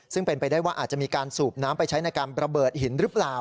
ซึ่งเป็นไปได้ว่าอาจจะมีการสูบน้ำไปใช้ในการระเบิดหินหรือเปล่า